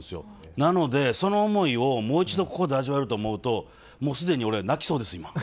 なので、その思いをもう一度ここで味わえると思うと、もう既に俺、泣きそうです、今。